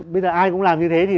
bây giờ ai cũng làm như thế thì